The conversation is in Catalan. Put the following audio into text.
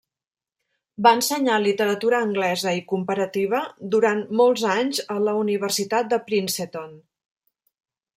Va ensenyar literatura anglesa i comparativa durant molts anys a la Universitat de Princeton.